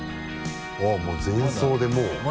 あっもう前奏でもう皮を。